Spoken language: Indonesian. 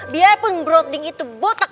biarpun broding itu botak